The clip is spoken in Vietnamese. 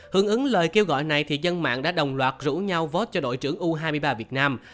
hưởng ứng lời kêu gọi này thì dân mạng đã đồng loạt rủ nhau vót cho đội trưởng u hai mươi ba việt nam